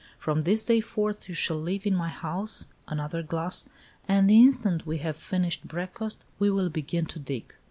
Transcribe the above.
From this day forth you shall live in my house another glass and the instant we have finished breakfast, we will begin to dig."